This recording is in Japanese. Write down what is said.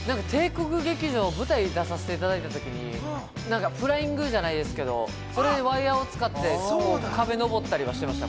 帝国劇場の舞台に出させていただいた時にフライングじゃないですけど、それでワイヤーを使って、壁を登ったりしていました。